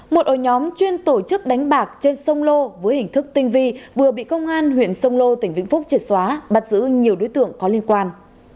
một ổ nhóm chuyên tổ chức đánh bạc trên sông lô với hình thức tinh vi vừa bị công an huyện sông lô tỉnh vĩnh phúc triệt xóa bắt giữ nhiều đối tượng có liên quan